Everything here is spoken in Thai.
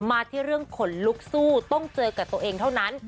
มาที่เรื่องขนลุกสู้ต้องเจอกับตัวเองเท่านั้น